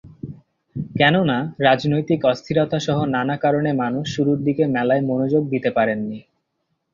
কেননা রাজনৈতিক অস্থিরতাসহ নানা কারণে মানুষ শুরুর দিকে মেলায় মনোযোগ দিতে পারেননি।